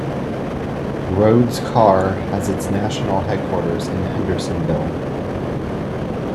Rhoades Car has its national headquarters in Hendersonville.